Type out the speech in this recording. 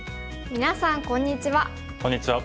みなさんこんにちは。